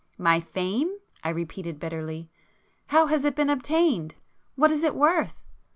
"My fame!" I repeated bitterly—"How has it been obtained? What is it worth?"